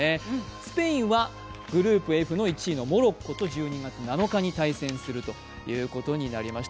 スペインはグループＦの１位のモロッコと１２月７日に対戦するということになりました。